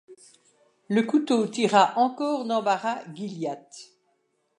Le couteau tira encore d’embarras Gilliatt.